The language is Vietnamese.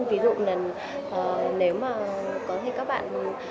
ví dụ là nếu mà có thể các bạn